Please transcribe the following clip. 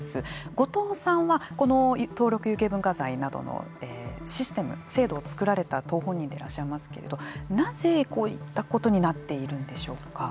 後藤さんはこの登録有形文化財などのシステム制度を作られたご本人でいらっしゃいますけどもなぜこういったことになっているんでしょうか。